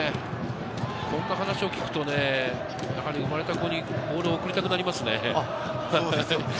こんな話を聞くと、やはり生まれた子にボールを贈りたくなりますね。